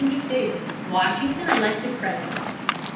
] 192. Washington elected President.